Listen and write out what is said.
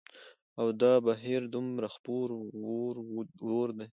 او دا بهير دومره خپور وور دى